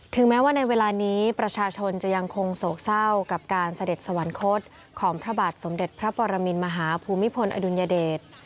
แม้ว่าในเวลานี้ประชาชนจะยังคงโศกเศร้ากับการเสด็จสวรรคตของพระบาทสมเด็จพระปรมินมหาภูมิพลอดุลยเดช